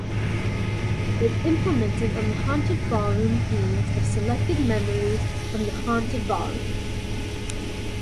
It implemented on the haunted ballroom themes of "Selected Memories from the Haunted Ballroom".